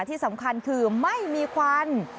ที่สำคัญคือไม่มีควัน